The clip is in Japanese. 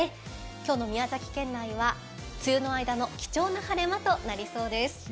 今日の宮崎県内は梅雨の合間の貴重な晴れとなりそうです。